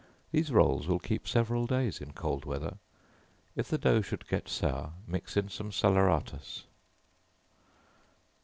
These rolls will keep several days in cold weather. If the dough should get sour, mix in some salaeratus.